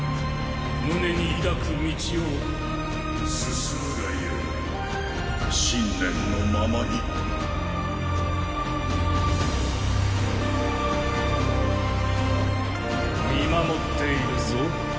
胸に抱く道を進むがよい信念のままに見守っているぞ